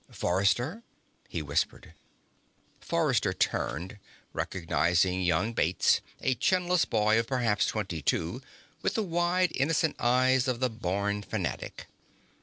"Forrester?" he whispered. Forrester turned, recognizing young Bates, a chinless boy of perhaps twenty two, with the wide, innocent eyes of the born fanatic.